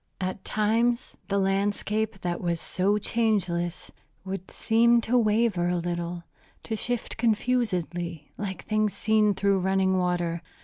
At times the landscape, that was so changeless, would seem to waver a little, to shift confusedly like things seen through running water.